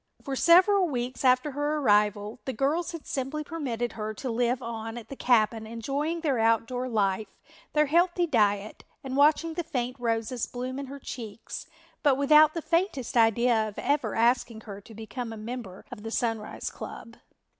For several weeks after her arrival the girls had simply permitted her to live on at the cabin enjoying their outdoor life, their healthy diet and watching the faint roses bloom in her cheeks but without the faintest idea of ever asking her to become a member of the Sunrise club.